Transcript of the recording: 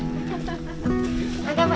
mereka berdua berada di rumah